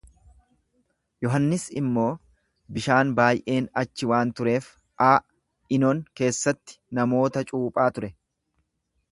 Yohannis immoo bishaan baay'een achi waan tureef Ainon keessatti namoota cuuphaa ture.